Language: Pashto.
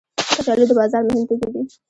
کچالو د بازار مهم توکي دي